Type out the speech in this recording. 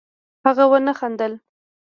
هغه ونه خندل